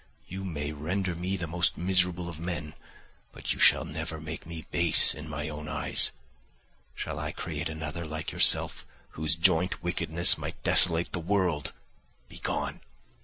You may render me the most miserable of men, but you shall never make me base in my own eyes. Shall I create another like yourself, whose joint wickedness might desolate the world. Begone!